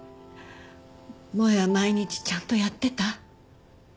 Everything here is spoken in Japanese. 萌絵は毎日ちゃんとやってた？